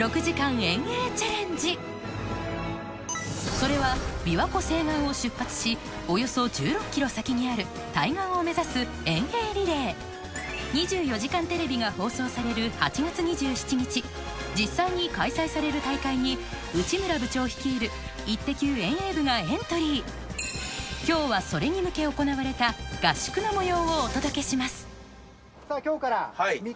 それは琵琶湖西岸を出発しおよそ１６ｋｍ先にある対岸を目指す遠泳リレー『２４時間テレビ』が放送される８月２７日実際に開催される大会に内村部長率いるがエントリー今日はそれに向け行われた合宿の模様をお届けしますよし！